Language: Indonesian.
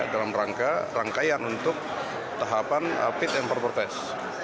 dalam rangkaian untuk tahapan pit dan pertortes